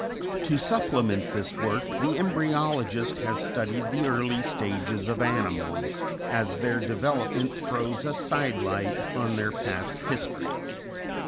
To supplement this work, the embryologist has studied the early stages of animals, as their development throws a side light on their past history.